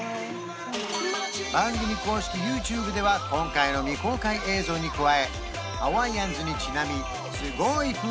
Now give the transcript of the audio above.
番組公式ＹｏｕＴｕｂｅでは今回の未公開映像に加えハワイアンズにちなみを公開中要チェック！